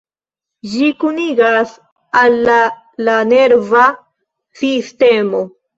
Ĝi kunigas la al la nerva sistemo.